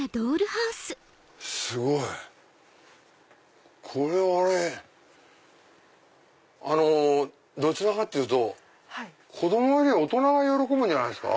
すごい！これはどちらかっていうと子供より大人が喜ぶんじゃないですか？